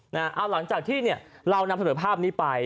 หลังจากที่เรานำสำหรับภาพนี้ไป